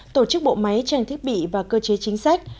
tổ chức bộ máy tranh thiết bị và cơ chế chính sách